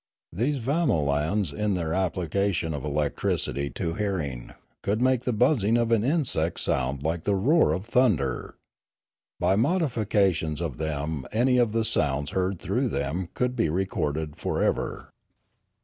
These vamolans in their application of electricity to hearing could make the buzzing of an insect sound like the roar of thunder. By modifications of them any of the sounds heard through them could be recorded for ever.